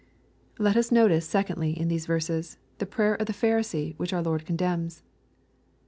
Let us notice, secondly, in these verses, tlie prayer of the Pharisee, which our Lord condemns.